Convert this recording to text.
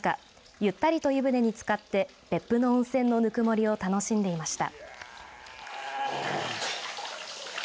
ゆったりと湯船につかって別府の温泉のぬくもりを楽しんでいました。